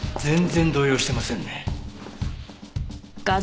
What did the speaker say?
全然動揺してませんね。